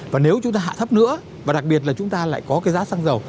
và nếu chúng ta hạ thấp nữa và đặc biệt là chúng ta lại có cái giá xăng dầu